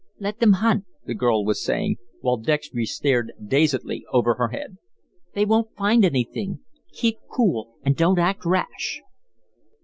"Let them hunt," the girl was saying, while Dextry stared dazedly over her head. "They won't find anything. Keep cool and don't act rash."